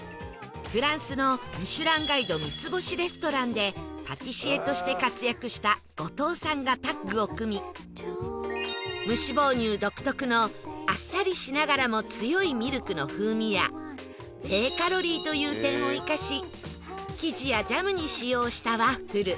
フランスの『ミシュランガイド』三つ星レストランでパティシエとして活躍した後藤さんがタッグを組み無脂肪乳独特のあっさりしながらも強いミルクの風味や低カロリーという点を生かし生地やジャムに使用したワッフル